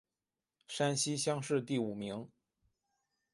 山西乡试第五名。